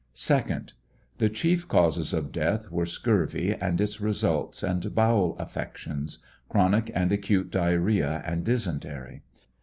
2d. The chief causes of death were scurvy and its results and bowel affections — chronic and acute diarrhea and dysentery.